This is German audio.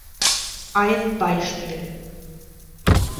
Ein Beispiel.